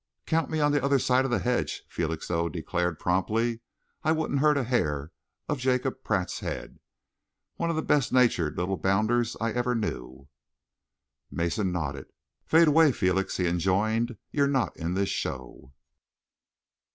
"Count me on the other side of the hedge," Felixstowe declared promptly. "I wouldn't hurt a hair of Jacob Pratt's head. One of the best natured little bounders I ever knew." Mason nodded. "Fade away, Felix," he enjoined. "You're not in this show."